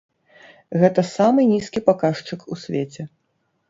Гэта самы нізкі паказчык у свеце.